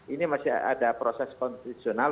ini masih ada proses konstitusional